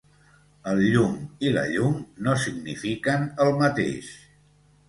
"El llum" i "la llum" no signifiquen el mateix.